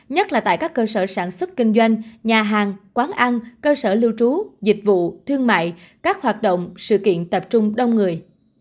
nhất là tại các cơ sở sản xuất kinh doanh nhà hàng quán ăn cơ sở lưu trú dịch vụ thương mại các hoạt động sự kiện tập trung đông người